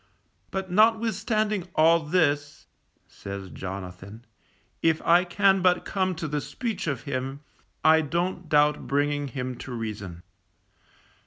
But notwithstanding all this, says Jonathan, _if I can but come to the speech of him, I don't doubt bringing him to reason.